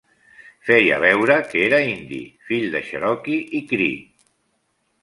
Feia veure que era indi, fill de cherokee i cree.